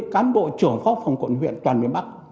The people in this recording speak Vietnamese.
năm trăm bảy mươi cán bộ trưởng phó phòng quận huyện toàn miền bắc